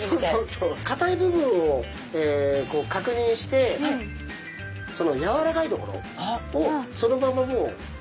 かたい部分をかくにんしてやわらかいところをそのままもう。